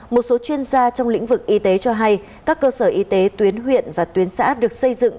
một số chuyên gia trong lĩnh vực y tế cho hay các cơ sở y tế tuyến huyện và tuyến xã được xây dựng